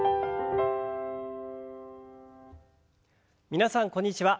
皆さんこんにちは。